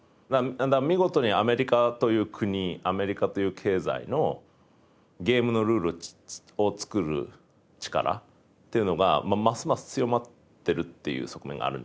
見事にアメリカという国アメリカという経済のゲームのルールを作る力っていうのがますます強まってるっていう側面があるんじゃないですかね。